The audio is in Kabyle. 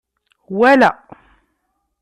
Wala!